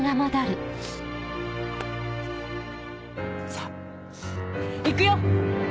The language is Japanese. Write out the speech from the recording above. ・さぁ行くよ！